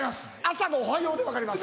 朝も「おはよう」で分かります。